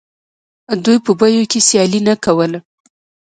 دوی په بیو کې سیالي نه کوله